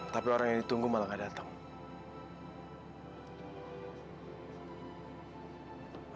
tapi orang yang ditunggu malah gak datang